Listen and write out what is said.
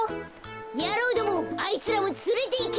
やろうどもあいつらもつれていけ！